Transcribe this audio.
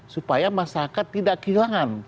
supaya masyarakat tidak kehilangan